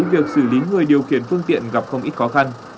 việc xử lý người điều khiển phương tiện gặp không ít khó khăn